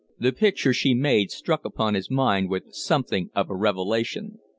The picture she made struck upon his mind with something of a revelation.